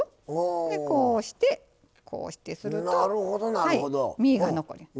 でこうしてこうしてするとはい身が残ります。